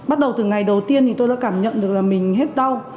bắt đầu từ ngày đầu tiên thì tôi đã cảm nhận được là mình hết đau